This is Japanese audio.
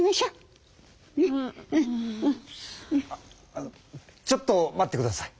ああのちょっと待ってください！